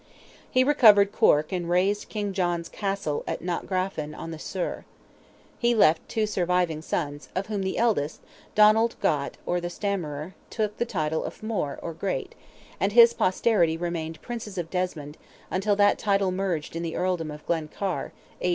He recovered Cork and razed King John's castle at Knockgraffon on the Suir. He left two surviving sons, of whom the eldest, Donald Gott, or the Stammerer, took the title of More, or Great, and his posterity remained princes of Desmond, until that title merged in the earldom of Glencare (A.